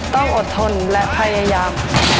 ต้องอดทนและพยายาม